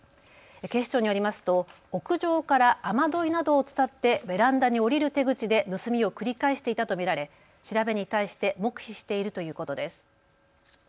警視庁によりますと屋上から雨どいなどを伝ってベランダに降りる手口で盗みを繰り返していたと見られ調べに対して黙秘しているということです。